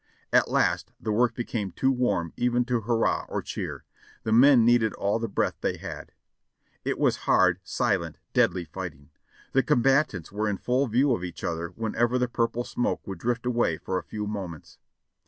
At last the work became too warm even to hurrah or cheer ; the men needed all the breath they had. It was hard, silent, dead ly fighting. The combatants were in full view of each other when ever the purple smoke would drift away for a few moments.